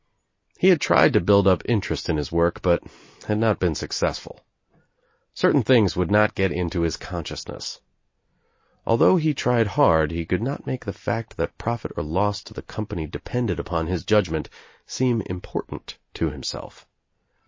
He had tried to build up interest in his work but had not been successful. Certain things would not get into his consciousness. Although he tried hard he could not make the fact that profit or loss to the com 208 THE TRIUMPH OF THE EGG pany depended upon his judgment seem important to himself.